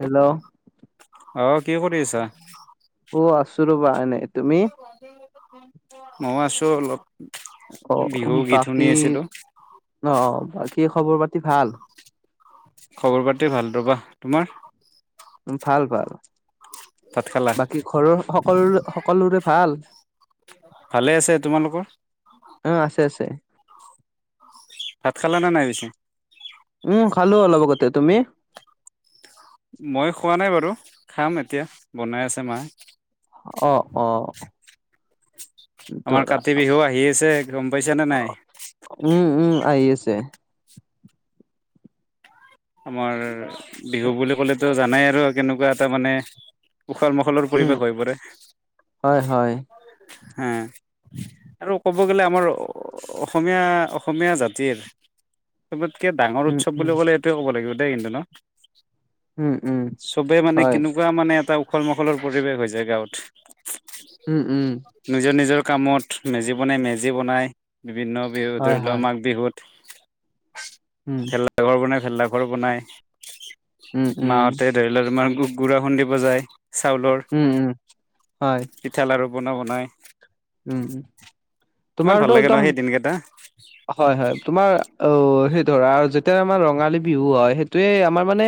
Hello আহ কি কৰি আছা। অ আছো ৰ'বা এনেই তুমি। মই আছো অলপ৷ অ বিহু গীত শুনি বাকী আছিলো অ বাকী খবৰ পাতি ভাল? খবৰ পাতি ভাল ৰ'বা তোমাৰ? উ ভাল-ভাল ভাত খালা? ঘৰৰ সকলোৰে সকলোৰে ভাল? ভালে আছে তোমালোকৰ? অ আছে-আছে৷ ভাত খালা নে নাই পিছে? উম খালো অলপ আগতে তুমি? মই খোৱা নাই বাৰু খাম এতিয়া বনাই আছে মায়ে৷ অ-অ আমাৰ কাতি বিহু আহি আছে গম পাইছ নে নাই? উম-উম আহি আছে৷ আমাৰ বিহু বুলি ক'লেতো জানাই আৰু কেনেকুৱা এটা মানে উখল মাখলৰ পৰিৱেশ হৈ পৰে৷ হয়-হয় হম আৰু ক'ব গ'লে আমাৰ অসমীয়া-অসমীয়া জাতিৰ৷ চবতকে ডাঙৰ উম উৎসৱ উম বুলি ক'লে এইটোৱে ক'ব লাগিব দেই কিন্তু ন! উম উম চবে মানে হয় কেনেকুৱা মানে এটা উখল মাখলৰ পৰিৱেশ হৈ যায় গাঁৱত৷ উম-উম নিজৰ নিজৰ কামত মেজি বনাই মেজি বনাই বিভিন্ন বিহু হয় ধৰি হয় লওক মাঘ বিহুত৷ উম খেলা ঘৰ বনাই ভেলা ঘৰ বনাই উম উম মাহঁতে গুড়া খুন্দিব যায় চাউলৰ উম উম হয় পিঠা লাৰু পনা বনাই৷ উম-উম কিমান ভাল তোমাৰটো লাগে ন একদম সেই দিনকেইটা হয় হয় তোমাৰ অ সেই ধৰা আৰু যেতিয়া আমাৰ ৰঙালী বিহু হয় সেইটোৱে আমাৰ মানে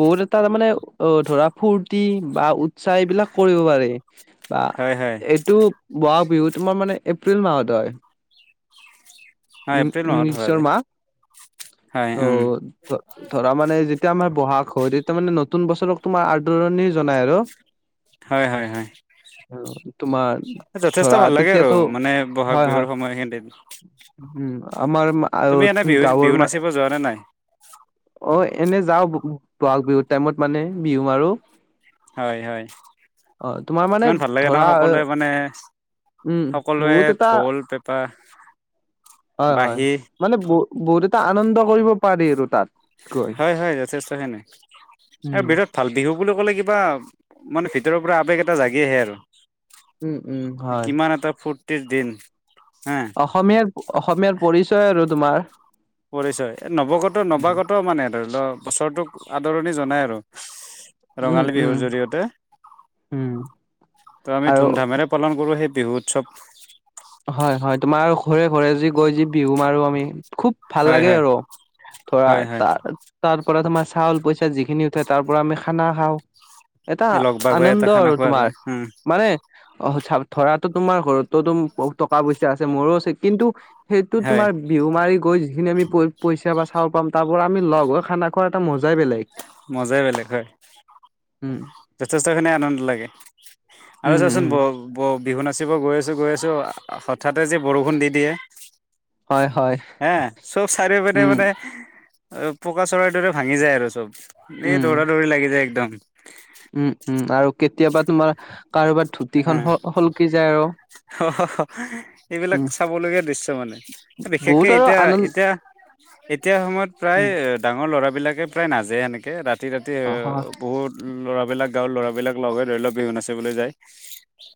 বহুত এটা তাৰ মানে অ ধৰা ফূৰ্তি বা উৎসাহ এইবিলাক কৰিব পাৰি৷ বা হয় হয় এইটো বহাগ বিহু তোমাৰ মানে এপ্ৰিল মাহত হয়৷ হয় ইং এপ্ৰিল মাহত হোৱা ইংলিছৰ যায় মা হয় অ উম ধৰ ধৰা মানে যেতিয়া আমাৰ বহাগ হয় তেতিয়া মানে নতুন বছৰক তোমাৰ আদৰণি জনাই আৰু হয় হয় হয় অ৷ তোমাৰ যথেষ্ট ধৰা ভাল লাগে আৰু তেতিয়াতো মানে বহাগ হয় হয় বিহুৰ সময়খিনত৷ উম আমাৰ মাঁৱত বিহু বিহু গাঁৱৰ ম নাচিব যোৱা নে নাই অ এনে যাও বহাগ বিহুত টাইমত মানে বিহু মাৰো হয় হয় অ তোমাৰ মানে কিমান ভাল লাগে ধৰা নহ সকলোৱে মানে উম সকলোৱে বহুত এটা ঢোলে পা হয়-হয় মানে বহু বহুত এটা আনন্দ কৰিব পাৰি আৰু তাত৷ গৈ হয় হয় যথেষ্টখিনি এ উম ভিতৰত ভাল বিহু বুলি ক'লে কিবা মানে ভিতৰৰ পৰা আৱেগ এটা জাগি আহে আৰু৷ উম উম হয় কিমান এটা ফূৰ্তিৰ দিন হা৷ অসমীয়াৰ অসমীয়াৰ পৰিচয় আৰু তোমাৰ পৰিচয় এই নৱগত নৱাগত মানে ধৰি লও বছৰটোক আদৰণি জনাই আৰু৷ ৰঙালী বিহুৰ উম জৰিয়তে উম ত আমি আৰু ধুম ধামেৰে পালন কৰোঁ সেই বিহু উৎসৱ৷ হয় হয় তোমাৰ ঘৰে ঘৰে যি গৈ যি বিহু মাৰো আমি খুব- ভাল হয় লাগে হয় আৰু ধৰা হয় হয় তাৰ তাৰ পৰা তোমাৰ চাউল পইচা যিখিনি উঠে তাৰ পৰা আমি খানা খাওঁ। এটা এই লগ ভাগ হৈ এটা আনন্দ খানা আৰু খোৱা তোমাৰ যায় উম মানে অ, ধৰাটো তোমাৰ ঘৰতো বহুত টকা পইচা আছে মোৰো আছে কিন্তু সেইটো হয় তোমাৰ বিহু মাৰি গৈ যিখিনি আমি পইচা বা চাউল পাম তাৰ পৰা আমি লগ হৈ খানা খোৱা এটা মজাই বেলেগ। মজাই বেলেগ হয়। উম, যথেষ্টখিনি আনন্দ লাগে আৰু উম চাৱাচোন উম ব ব বিহু নাচিব গৈ আছোঁ- গৈ আছোঁ হঠাতে যে বৰষুণ দি দিয়ে। হয় হয়। এ চ' চাৰিও পিনে উম মানে অ, পকা চৰাইৰ দৰে ভাঙি যায় আৰু চব এই উম দৌৰা -দৌৰি লাগি যায় একদম। উম -উম আৰু কেতিয়াবা তোমাৰ ধুতি খন হল -হলকি যায়। আৰু। হ- হ- হ এইবিলাক উম চাবলগীয়া দৃশ্য মানে। এ বিশেষকে বহুত আৰু এতিয়া আনন্দ -এতিয়া এতিয়াৰ সময়ত উম প্ৰায় ডাঙৰ লৰা বিলাকে প্ৰায় নাযায়ে এনেকে ৰাতি- ৰাতি অ হয়। বহুত ল'ৰাবিলাক গাঁৱৰ ল'ৰাবিলাক লগ হৈ ধৰি লওক বিহু নাচিবলৈ যায়।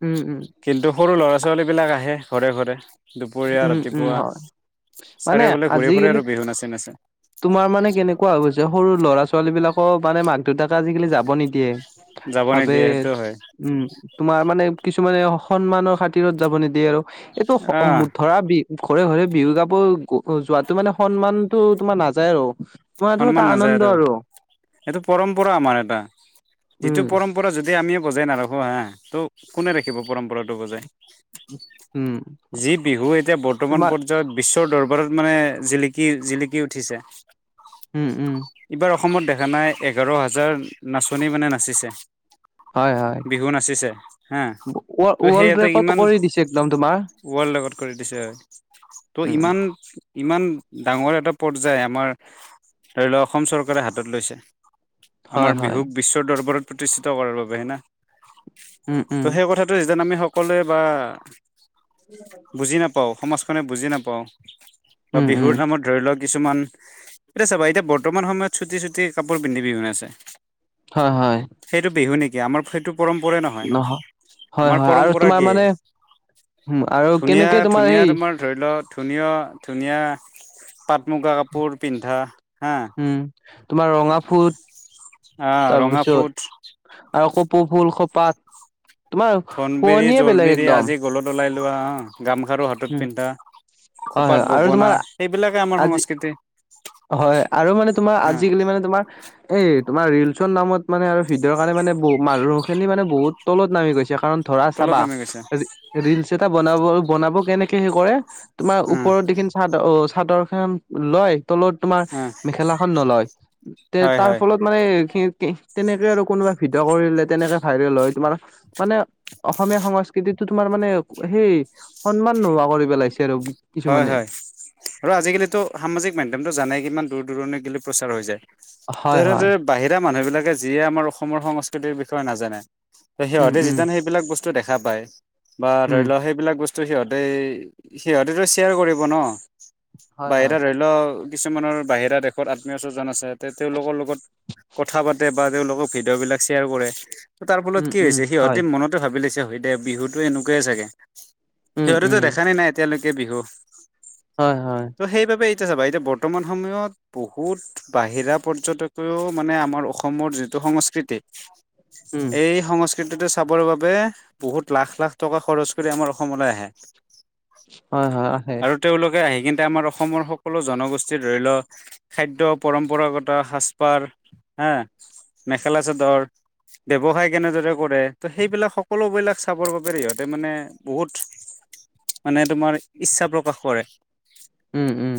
উম- উম কিন্তু সৰু ল'ৰা -ছোৱালীবিলাক আহে ঘৰে ঘৰে। দুপৰীয়া উম উম ৰাতিপুৱা হয়। মানে চাৰিওফালে ঘূৰি ফুৰে আজিকালি আৰু বিহু নাচি -নাচি। তোমাৰ মানে কেনেকুৱা হৈ গৈছে সৰু ল'ৰা- ছোৱালী বিলাকো মানে মান দুটাকে আজিকালি যাব নিদিয়ে যাব ভাবে নিদিয়ে সেইটো হয়। উম, তোমাৰ মানে কিছুমানে সন্মানৰ খাতিৰত যাব নিদিয়ে আৰু এইটো আহ [unintelligible] ধৰা বিহ ঘৰে -ঘৰে বিহু গাব যোৱাতো মানে সন্মানটো তোমাৰ নাযায় আৰু তোমাৰ এইটো এটা সন্মান নাযায় আনন্দ আৰু এইটো পৰম্পৰা আমাৰ এটা যিটো উম, পৰম্প পৰা যদি আমিয়ে বজাই নাৰাখোঁ হা ত' কোনে ৰাখিব পৰম্পৰাটো বজাই? উম, [unintelligible] যি বিহু এতিয়া বৰ্তমান তোমাৰ পৰ্য বিশ্বৰ দৰবাৰত মানে জিলিকি -জিলিকি উঠিছে উম -উম ইবাৰ অসমত দেখা নাই এঘাৰ হাজাৰ নাচনী মানে নাচিছে। হয়, হয়। বিহু নাচিছে হা ৱ- ত' সেই ৱৰ্ল্ড এটা ৰেকৰ্ড ইমান কৰি দিছে একদম তোমাৰ ৱৰ্ল্ড ৰেকৰ্ড কৰি দিছে ত' উম, ইমান ইমান ডাঙৰ এটা পৰ্যায় আমাৰ ধৰি লওক অসম চৰকাৰে হাতত লৈছে হয়, আমাৰ হয়, বিহুক বিশ্বৰ দৰবাৰত প্ৰতিষ্ঠিত কৰাৰ বাবে হয়না উম, উম, ত' হেই কথাত ত'যেন আমি সকলোৱে বা বুজি নাপ পাওঁ সমাজখনে বুজি নাপাওঁ বা উম, উম, বিহুৰ নামত ধৰি লওক কিছুমান এতিয়া চাবা এতিয়া বৰ্তমান সময়ত চুটি -চুটি কাপোৰ পিন্ধি বিহু নাছে হয়- হয় সেইটো বিহু নেকি আমাৰ সেইটো পৰম্পৰাই নহ নহয় হয়, আমাৰ হয় আৰু পৰম্পৰা তোমাৰ কি মানে উম, আৰু কেনেকে ধুনীয়া- তোমাৰ ধুনীয়া সেই তোমাৰ ধৰি লওক ধুনীয় - ধুনীয়া পাট মুগা কাপোৰ পিন্ধা হা উম, তোমাৰ ৰঙা ফুট আহ ৰঙা ফুট তাৰপিছত আৰু কপৌ ফুল খোপাত তোমাৰ ধনবিৰি শুৱনিয়ে বেলেগ জলবিৰি একদম। আজি গলত অলাই লোৱা অ, গামখাৰু হত হাতত উম পিন্ধা হয় খোপাত হয় আৰু গগনা তোমাৰ সেইবিলাকে আমাৰ আজি সংস্কৃতি। হয় আৰু মানে তোমাৰ অ আজিকালি মানে তোমাৰ এই তোমাৰ ৰিলচৰ নামত মানে আৰু ভিডিঅ'ৰ কাৰণে মানে ব মানুহখিনি মানে বহুত তলত নামি গৈছে কাৰণ ধৰা তলত চাবা নামি গৈছে ৰিলচ এটা বনাব- বনাব কেনেকে হেই কৰে তোমাৰ অ ওপৰত যিখিনি চাদৰ অ চাদৰ খন লয় তলত তোমাৰ অ মেখেলাখন নলয় তে হয় তাৰ হয় ফলত মানে তেনেকে আৰু কোনোবা ভিডিঅ' কৰিলে তেনেকে ভাইৰেল হয় তোমাৰ মানে অসমীয়া সংস্কৃতিতো তোমাৰ মানে সেই সন্মান নোহোৱা কৰি পেলাইছে আৰু হয় কিছুমানে। হয় আৰু আজিকালিতো সামাজিক মাধ্যমটো জানাই কিমান দূৰ দূৰণি গিলি প্ৰচাৰ হৈ যায় হয় হয়। তেনেদৰে বাহিৰা মানুহ বিলাকে যিয়ে আমাৰ অসমৰ সংস্কৃতিৰ বিষয়ে নাজানে ত উম সিহঁতে উম যেতিয়া সেই সেই বিলাক বস্তু দেখা পায় বা ধৰি উম। লোৱা সেইবিলাক বস্তু সিহতে সিহ তেটো শ্বেয়াৰ কৰিব ন হয় হয়। বাহিৰত ধৰি লওক কিছুমানৰ বাহিৰা দেশত আত্মীয় স্বজন আছে তেওঁলোকৰ লগত কথা পাতে বা তেওঁলোকক ভিডিঅ' বিলাক শ্বেয়াৰ কৰে তাৰ উম ফলত কি উম হৈছে হয় সিহঁতে মনতে ভাবি লাগিছে হয় দে বিহুতো এনেকোৱাই চাগে উম সিহঁতেতো উম দেখা নে নাই এতিয়ালৈকে বিহু হয় হয় ত' সেইবাবে এতিয়া চাবা এতিয়া বৰ্তমান সময়ত বহুত বাহিৰা পৰ্যটকেও মানে আমাৰ অসমৰ যিটো সংস্কৃতি উম এই সংস্কৃতিটো চাবৰ বাবে বহুত লাখ লাখ টকা খৰচ কৰি আমাৰ অসমলৈ আহে হয় হয় আহে আৰু তেওঁলোকে আহি কিন্ত আমাৰ অসমৰ সকলো জনগোষ্ঠীৰ ধৰি ল খাদ্য পৰম্পৰাগত সাজপাৰ হা মেখেলা চাদৰ ব্যৱসায় কেনেদৰে কৰে ত সেইবিলাক সকলোবিলাক চাবৰ বাবে সিহঁতে মানে বহুত [inaudible] মানে তোমাৰ ইচ্ছা প্ৰকাশ কৰে। উম উম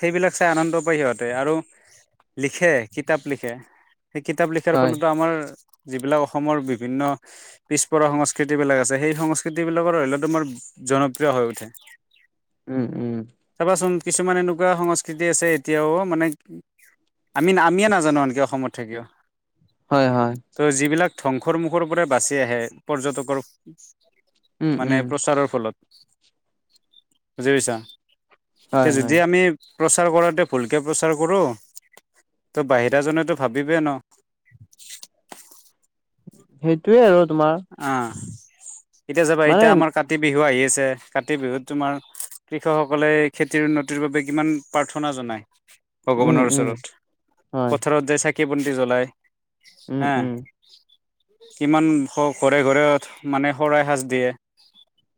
সেইবিলাক চাই আনন্দ পায় সিহঁতে আৰু। লিখে কিতাপ লিখে সেই কিতাপ লিখাৰ হয় ফলতো আমাৰ যিবিলাক অসমৰ বিভিন্ন পিছপৰা সংস্কৃতিবিলাক আছে সেই সংস্কৃতিবিলাকৰ ধৰিল তোমাৰ জনপ্ৰিয় হৈ উঠে উম উম চাবাচোন কিছুমান এনেকুৱা সংস্কৃতি আছে এতিয়াও মানে আমি আমিয়ে নাজানো আনকি অসমত থাকিও হয় হয় ত' যিবিলাক ধ্বংসৰ মুখৰ পৰা বাচি আহে পৰ্যটকৰ উম উম মানে প্ৰচাৰৰ ফলত বুজি পাইছা হয় এতিয়া হয়। যদি আমি প্ৰচাৰ কৰাতোৱে ভুলকে প্ৰচাৰ কৰো ত বাহিৰা জনেতো ভাবিবই ন সেইটোয়ে আৰু তোমাৰ। অ এতিয়া চাবা মানে এতিয়া আমাৰ কাতি বিহু আহি আছে, কাতি বিহুত তোমাৰ। কৃষকসকলে খেতিৰ উন্নতিৰ বাবে কিমান প্ৰাৰ্থনা জনায়। উম ভগৱানৰ উম ওচৰত হয় পথাৰত জাই চাকি- বন্তি জ্বলাই। উম হে উম কিমান ঘৰে ঘৰে মানে শৰাই সাঁজ দিয়ে।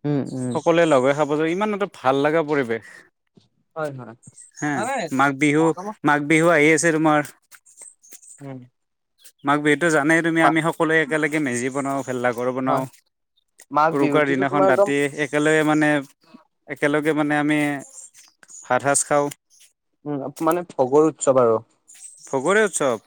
উম উম সকলোৱে লগে খাব যে ইমান এটা ভাল লগা পৰিৱেশ। হয় হয় হে মানে মাঘ বিহু বৰ্তমান মাঘ বিহু আহি আছে তোমাৰ ওম মাঘ বিহুতো জানেই তুমি আমি সকলোৱে একেলগে মেজি বনাওঁ, ভেলাঘৰ হয় বনাওঁ, মাঘ উৰুকাৰ বিহুতোতো তোমাৰ দিনাখন একদম ৰাতি এক একেলগে মানে একেলগে মানে আমি ভাত সাজ খাওঁ। উ মানে ভোগৰ উৎসৱ আৰু। ভগৰে উৎসৱ।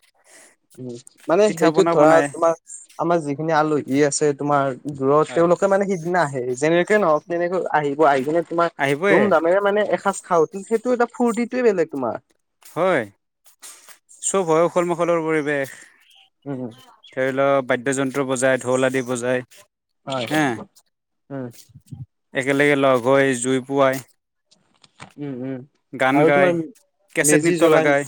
উম, মানে পিঠা সেইটোত পনা ধৰা বনাই তোমাৰ আমাৰ যিখিনি আলহী আছে তোমাৰ দূৰত হয় তেওঁলোকে মানে সিদিনা আহে যেনে কে নহক তেনেকৈ আহিব আহি কিনে তোমাক আহিবয়ে ধুম ধামেৰে মানে এসাঁজ খাওঁ, কিন্তু সেইটো এটা ফুৰ্তিটোয়ে বেলেগ তোমাৰ। হয়, চব হয় উখল মাখলৰ পৰিৱেশ। উম ধৰি লোৱা বাদ্য জন্ত্ৰ বজাই, ঢোল আদি বজায়। হয় হেঁ উম একেলগে লগ হৈ জুই ফোৱাই। উম উম। গান আৰু গাই তোমাৰ কেচেট মেজি নৃত্য জ্বলাই লগাই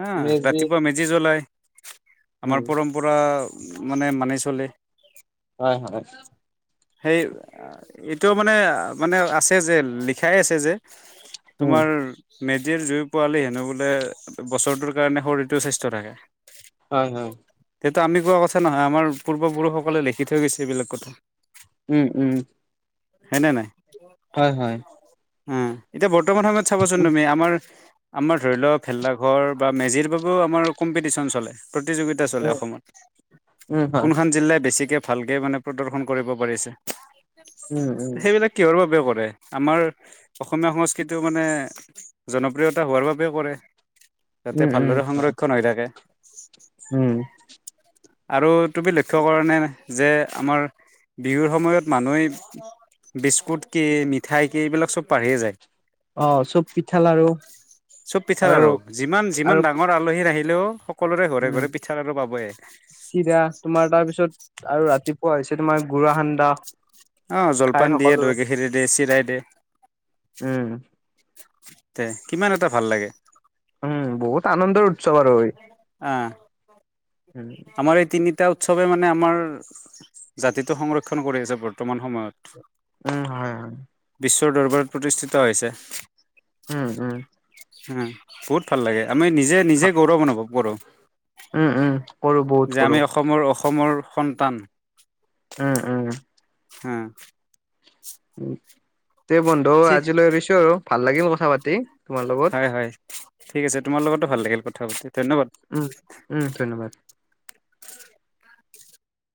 হা মেজি ৰাতিপুৱা মেজ মেজি জ্বলাই, উম আমাৰ পৰম্পৰা মানে মানি চলে। হয় হয় সেই, এইটো মানে মানে আছে যে লিখাই আছে যে উম তোমাৰ মেজিৰ জুই ফোৱালে হেনো বোলে বছৰটোৰ কাৰণে শৰীৰটো স্বাস্থ্য থাকে। হয় হয় তেতিয়া আমি কোৱা কথা নহয় আমাৰ পূৰ্বপুৰুষসকলে লিখি থৈ গৈছে এইবিলাক কথা। উম উম হয়নে নাই। হয় হয় উম, এতিয়া বৰ্তমান সময়ত চাবচোন উম তুমি আমাৰ আমাৰ ধৰি লওঁক ভেলাঘৰ বা মেজিৰ বাবেও আমাৰ কম্পিটিচ্যন চলে, প্ৰতিযোগিতা চলে অসমত, উম উম, হয় কোনখন জিলাই বেছিকে ভালকে মানে প্ৰদৰ্শন কৰিব পাৰিছে, উম উম সেইবিলাক কিহৰ বাবেও কৰে, আমাৰ অসমীয়া সংস্কৃতিও মানে জনপ্ৰিয়তা হোৱাৰ বাবে কৰে। যাতে উম উম ভালদৰে হয়। সংৰক্ষণ হৈ থাকে। উম। আৰু তুমি লক্ষ্য কৰা নে যে আমাৰ বিহুৰ সময়ত মানুহেই বিস্কুট কি মিঠাই কি এইবিলাক চব পাৰিয়ে যায়। অ চব পিঠা লাৰু চব পিঠা আৰু, যিমান যিমান ডাঙৰ আৰু। আলহী আহিলেও সকলোৰে ঘৰে উম ঘৰে পিঠাৰ আৰু পাবই। চিৰা তোমাৰ তাৰ পিছত আৰু ৰাতিপুৱা হৈছে তোমাৰ গুড়া খান্দা। অ জলপান দিয়ে, দৈ গাখৰি দিয়ে, চিৰাই দিয়ে। উম। তে কিমান এটা ভাল লাগে। উম বহুত আনন্দৰ উৎসৱ আৰু, আহ উম। আমাৰ এই তিনিটা উৎসৱে মানে আমাৰ জাতিটো সংৰক্ষণ কৰি আছে বৰ্তমান সময়ত। উম হয় হয়। বিশ্বৰ দৰবাৰত প্ৰতিষ্ঠিত হৈছে। উম উম। উম বহুত ভাল লাগে আমি নিজে নিজে গৌৰৱ অনুভৱ কৰো, উম উম কৰো বহুত যে কৰো আমি অসমৰ অসমৰ সন্তান। উম উম। উম তে বন্ধু ঠিক আজিলৈ এৰিছো আৰু ভাল লাগিল কথা পাতি। তোমাৰ লগত হয় হয়, ঠিক আছে তোমাৰ লগতো ভাল লাগিল কথা পাতি ধন্যবাদ। উম উম ধন্যবাদ।